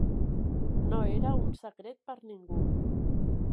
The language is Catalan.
No era un secret per ningú.